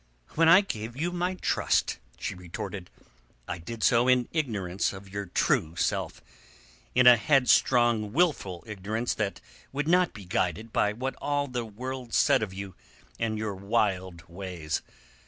"When I gave you my trust," she retorted, "I did so in ignorance of your true self, in a headstrong wilful ignorance that would not be guided by what all the world said of you and your wild ways.